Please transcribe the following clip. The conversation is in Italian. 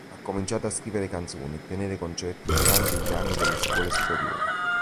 Ha cominciato a scrivere canzoni e tenere concerti durante gli anni delle scuole superiori.